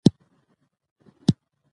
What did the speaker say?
زه د ذهني فشار پر وړاندې تدابیر نیسم.